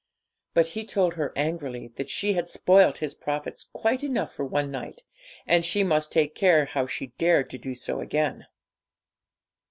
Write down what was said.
But he told her angrily that she had spoilt his profits quite enough for one night, and she must take care how she dared to do so again.